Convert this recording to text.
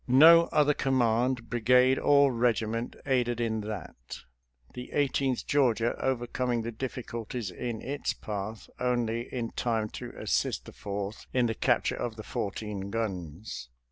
No other command, brigade, or regiment aided in that — the Eighteenth Geor gia overcoming the difficulties in its path only in time to assist the Fourth in the capture of the fourteen guns.